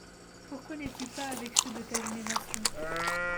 Pourquoi n'es-tu pas avec ceux de ta génération ?